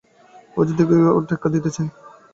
ও যে দেখি সকলকে টেক্কা দিতে চায়।